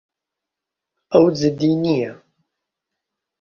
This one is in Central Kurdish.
ئەو جددی نییە.